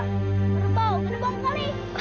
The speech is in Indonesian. kerbau kena bau kali